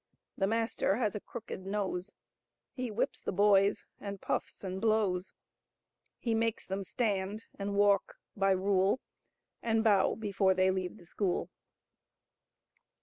and The M.aster has warm . A crooked Nose ; He whips the Boys , And pufFs , ana blows; He makes them stand And walkby ^w/e^ And bow before They leave iheSchool.